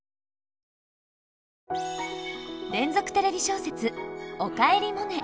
連続テレビ小説「おかえりモネ」。